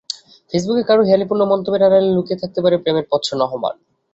ফেসবুকে কারও হেঁয়ালিপূর্ণ মন্তব্যের আড়ালে লুকিয়ে থাকতে পারে প্রেমের প্রচ্ছন্ন আহ্বান।